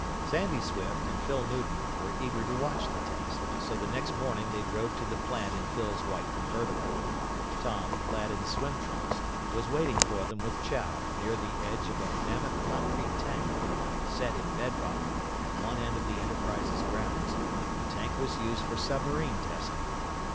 Sandy Swift and Phyl Newton were eager to watch the test, so the next morning they drove to the plant in Phyl's white convertible. Tom, clad in swim trunks, was waiting for them with Chow near the edge of a mammoth concrete tank. Set in bedrock, at one end of the Enterprises grounds, the tank was used for submarine testing.